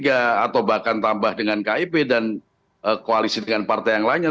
atau bahkan tambah dengan kip dan koalisi dengan partai yang lainnya